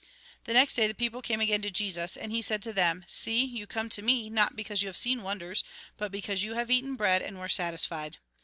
The next day, the people came again to Jesus. And he said to them :" See, you come to me, not because you have seen wonders, but because you have eaten bread and were satisfied."